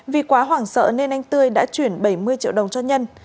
vì quá hoảng sợ nên anh tươi đã chuyển bảy mươi triệu đồng cho nhân